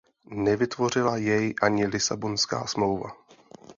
Nevytvořila jej ani Lisabonská smlouva.